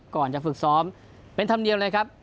ก่อนจะฝึกซ้อมเป็นธรรมเนียมเลยครับ